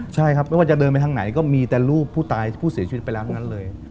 ใช่ครับไม่ว่าจะเดินไปทางไหนก็มีแต่รูปผู้ตายผู้เสียชีวิตไปแล้วทั้งนั้นเลย